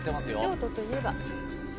京都といえば。